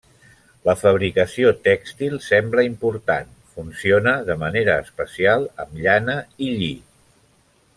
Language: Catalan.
La fabricació tèxtil sembla important; funciona de manera especial amb llana i lli.